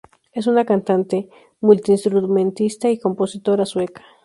Es una cantante, multiinstrumentista y compositora sueca.